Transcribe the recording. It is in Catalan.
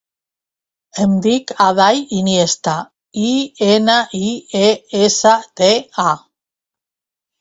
Em dic Aday Iniesta: i, ena, i, e, essa, te, a.